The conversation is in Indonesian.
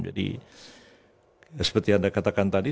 jadi seperti anda katakan tadi